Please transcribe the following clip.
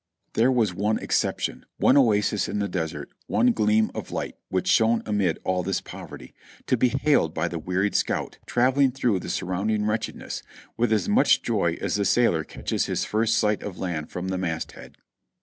There was one exception, one oasis in the desert, one gleam of light which shone amid all this poverty, to be hailed by the wearied scout, traveling through the surrounding wretchedness, with as much joy as the sailor catches his first sight of land from the masthead.